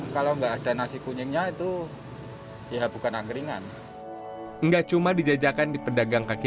kalau enggak ada nasi kunyingnya itu ya bukan angkringan enggak cuma dijajakan di pedagang kaki